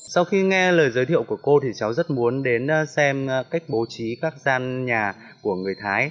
sau khi nghe lời giới thiệu của cô thì cháu rất muốn đến xem cách bố trí các gian nhà của người thái